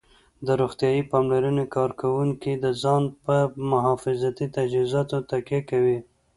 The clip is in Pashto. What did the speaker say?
د روغتیا پاملرنې کارکوونکي د ځان په محافظتي تجهیزاتو تکیه کوي